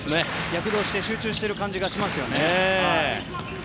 躍動して集中している感じがしますね。